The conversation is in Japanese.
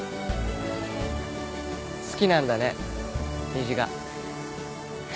好きなんだね虹が。